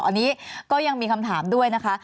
อันนี้ก็ยังมีคำถามด้วยนะคะ